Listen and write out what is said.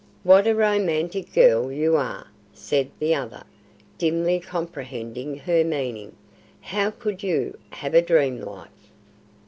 "What a romantic girl you are," said the other, dimly comprehending her meaning. "How could you have a dream life?"